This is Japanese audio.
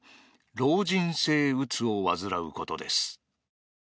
老人性うつを患うことです。